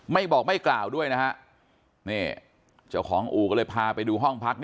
ไม่บอกไม่กล่าวด้วยนะฮะนี่เจ้าของอู่ก็เลยพาไปดูห้องพัก